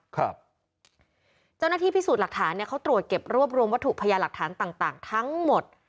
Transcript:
เจ้าหน้าที่พิสูจน์หลักฐานเนี่ยเขาตรวจเก็บรวบรวมวัตถุพยาหลักฐานต่างต่างทั้งหมด